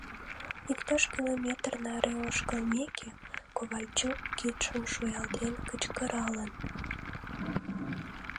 Иктаж километр наре ошкылмеке, Ковальчук, кидшым шуялтен, кычкыралын: